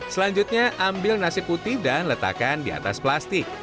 selanjutnya ambil nasi putih dan letakkan di atas plastik